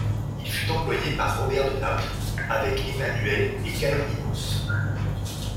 Il fut employé par Robert de Naples, avec Emmanuel et Kalonymos.